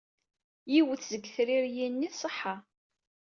Yiwet seg tririyin-nni tṣeḥḥa.